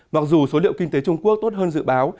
mặc dù số liệu kinh tế trung quốc tốt hơn dự báo